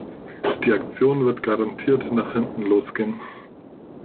Die Aktion wird garantiert nach hinten losgehen.